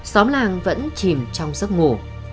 xóm làng vẫn chìm trong giấc ngủ